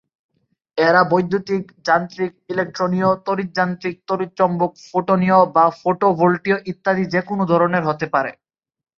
এরা বৈদ্যুতিক, যান্ত্রিক, ইলেক্ট্রনীয়, তড়িৎ-যান্ত্রিক, তড়িৎ-চৌম্বক, ফোটনীয় বা ফটোভোল্টীয় ইত্যাদি যেকোন ধরনের হতে পারে।